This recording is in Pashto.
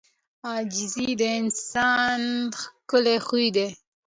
• عاجزي د انسان ښکلی خوی دی.